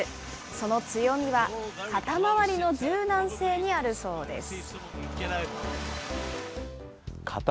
その強みは肩周りの柔軟性にあるそうです。